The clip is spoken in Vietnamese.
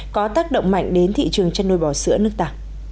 có tác động mạnh đến thị trường chăn nuôi bò sữa nước ta